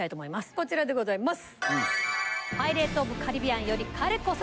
こちらでございます。